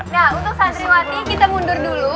nah untuk santriwati kita mundur dulu